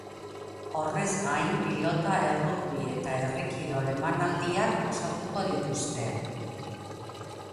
Horrez gain, pilota, errugbi eta herri kirol emanaldiak osatuko dituzte.